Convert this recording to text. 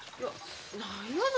何やの。